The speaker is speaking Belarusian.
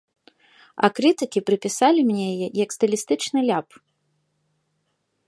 А крытыкі прыпісалі мне яе як стылістычны ляп.